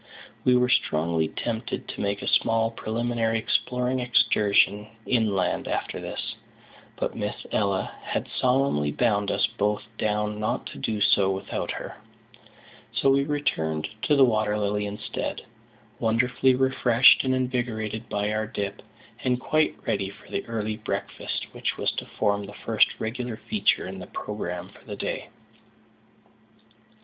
We were strongly tempted to make a small preliminary exploring excursion inland after this, but Miss Ella had solemnly bound us both down not to do so without her; so we returned to the Water Lily instead, wonderfully refreshed and invigorated by our dip, and quite ready for the early breakfast which was to form the first regular feature in the programme for the day.